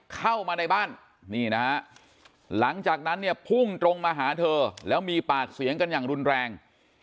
เข้ามาในบ้านนี่นะฮะหลังจากนั้นเนี่ยพุ่งตรงมาหาเธอแล้วมีปากเสียงกันอย่างรุนแรง